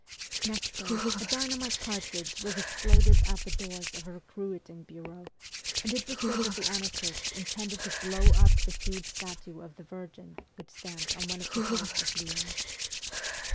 Next day a dynamite cartridge was exploded at the doors of a recruiting bureau, and it was said that the anarchists intended to blow up the huge statue of the Virgin which stands on one of the hills of Lyons.